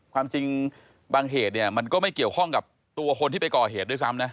ความจริงบางเหตุเนี่ยมันก็ไม่เกี่ยวข้องกับตัวคนที่ไปก่อเหตุด้วยซ้ำนะ